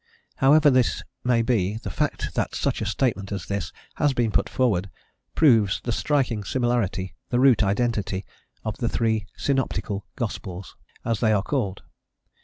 However this may be, the fact that such a statement as this has been put forward proves the striking similarity, the root identity, of the three "synoptical gospels," as they are called.